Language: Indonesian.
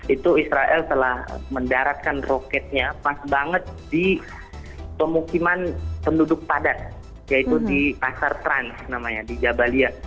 itu israel telah mendaratkan roketnya pas banget di pemukiman penduduk padat yaitu di pasar trans namanya di jabalia